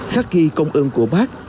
khắc kỳ công ương của bác